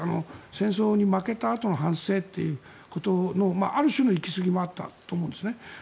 戦争に負けたあとの反省ということのある種の行きすぎもあったと思うんですね。